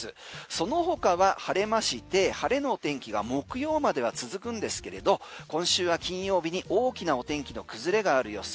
その他は晴れまして晴れのお天気が木曜までは続くんですけれど今週は金曜日に大きなお天気の崩れがある予想。